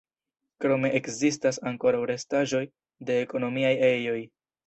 Krome ekzistas ankoraŭ restaĵoj de ekonomiaj ejoj.